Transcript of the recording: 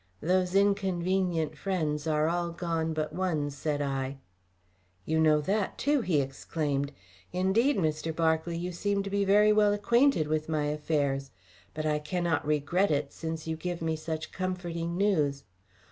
"Those inconvenient friends are all gone but one," said I. "You know that too," he exclaimed. "Indeed, Mr. Berkeley, you seem to be very well acquainted with my affairs; but I cannot regret it, since you give me such comforting news.